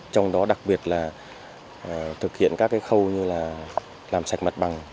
trong đó đặc biệt là thực hiện các cái khâu như là làm sạch mặt bằng